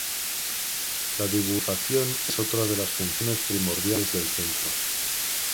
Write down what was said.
La divulgación es otra de las funciones primordiales del centro.